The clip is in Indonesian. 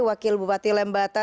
wakil bupati lembata